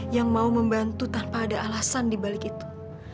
yang mau membantu tanpa ada alasan di balik itu